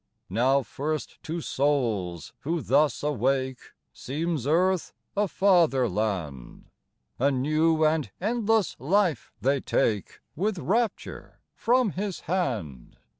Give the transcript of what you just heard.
Now first to souls who thus awake Seems earth a fatherland : A new and endless life they take, With rapture from His hand.